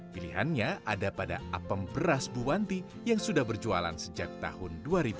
pilihannya ada pada apem beras buwanti yang sudah berjualan sejak tahun dua ribu